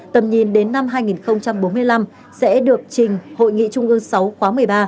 tầm nhìn đến năm hai nghìn bốn mươi năm sẽ được trình hội nghị trung ương sáu khóa một mươi ba